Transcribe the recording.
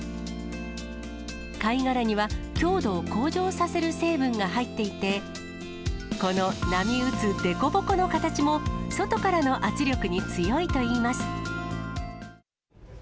貝殻には、強度を向上させる成分が入っていて、この波打つ凸凹の形も、外からの圧力に強いといいます。